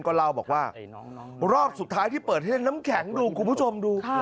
ก็เล่าบอกว่ารอบสุดท้ายที่เปิดให้เล่นน้ำแข็งดูคุณผู้ชมดู